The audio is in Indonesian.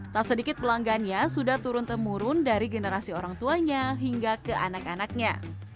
tak sedikit pelanggannya sudah turun temurun dari generasi orang tuanya hingga ke anak anaknya